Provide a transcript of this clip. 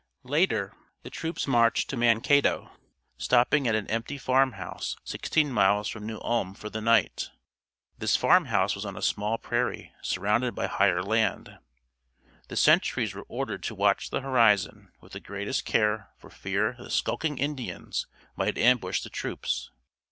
Later the troops marched to Mankato, stopping at an empty farm house sixteen miles from New Ulm for the night. This farm house was on a small prairie surrounded by higher land. The sentries were ordered to watch the horizon with the greatest care for fear the skulking Indians might ambush the troops.